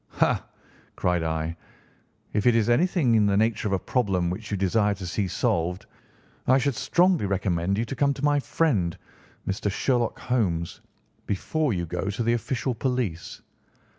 "Ha!" cried I, "if it is anything in the nature of a problem which you desire to see solved, I should strongly recommend you to come to my friend, Mr. Sherlock Holmes, before you go to the official police."